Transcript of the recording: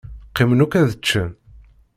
Qqimen akk ad ččen.